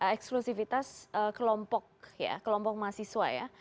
eksklusifitas kelompok mahasiswa